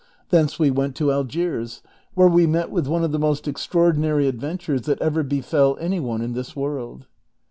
Thence we went to Algiers, where we met with one of the most extraordinary adventures that ever befell any one in this world."